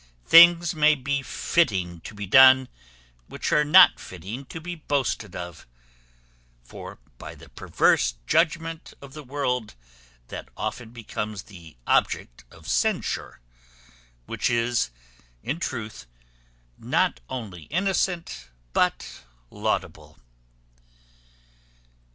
Things may be fitting to be done, which are not fitting to be boasted of; for by the perverse judgment of the world, that often becomes the subject of censure, which is, in truth, not only innocent but laudable."